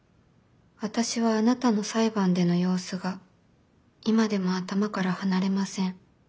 私はあなたの裁判での様子が今でも頭から離れません。